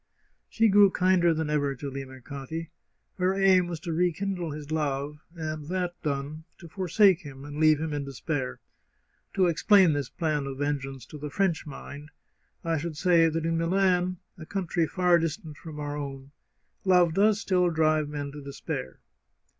She grew kinder than ever to Limercati. Her aim was to rekindle his love, and that done, to forsake him and leave him in despair. To explain this plan of vengeance to the French mind, I should say that in Milan, a country far distant from our own, love does still drive men to despair.